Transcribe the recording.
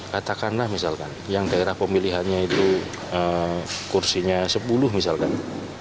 katakanlah misalkan yang daerah pemilihannya itu kursinya sepuluh misalkan